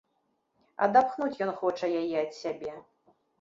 Адапхнуць ён хоча яе ад сябе.